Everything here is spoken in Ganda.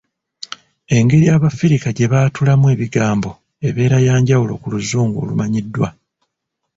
Engeri Abafirika gye baatulamu ebigambo ebeera ya njawulo ku Luzungu olumanyiddwa.